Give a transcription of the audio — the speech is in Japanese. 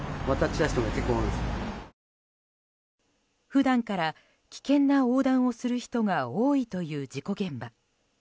普段から危険な横断をする人が多いという事故現場。